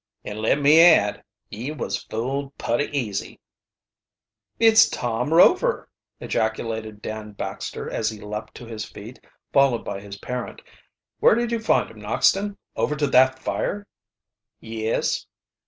"And let me add, ye was fooled putty easy." "It's Tom Rover!" ejaculated Dan Baxter, as he leaped to his feet, followed by his parent. "Where did you find him, Noxton; over to that fire?" "Yes."